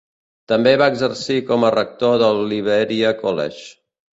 També va exercir com a rector del Liberia College.